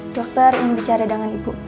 dokter ingin bicara dengan ibu